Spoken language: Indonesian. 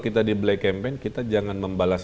kita di black campaign kita jangan membalas